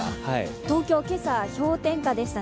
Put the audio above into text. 東京、今朝は氷点下でしたね。